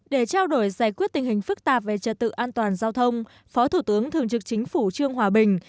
để trao đổi giải quyết tình hình phức tạp về trật tự an toàn giao thông phó thủ tướng thường trực chính phủ trương hòa bình